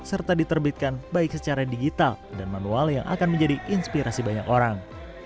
serta diterbitkan baik secara digital dan manual yang akan menjadi inspirasi banyak orang